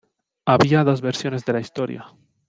Había dos versiones de la historia.